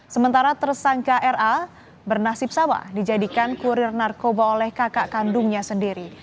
sementara tersangka ra bernasib sama dijadikan kurir narkoba oleh kakak kandungnya sendiri